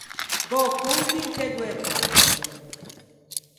Gh’ô conto inte doe poule.